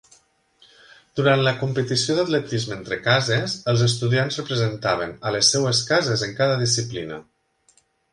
Durant la competició d'atletisme entre cases, els estudiants representaven a les seves cases en cada disciplina.